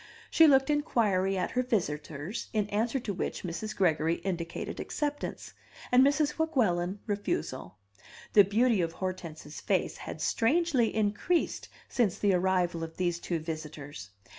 She looked inquiry at her visitors, in answer to which Mrs. Gregory indicated acceptance, and Mrs. Weguelin refusal. The beauty of Hortense's face had strangely increased since the arrival of these two visitors.